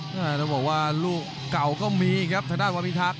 ต้องบอกว่าลูกเก่าก็มีครับทางด้านวาพิทักษ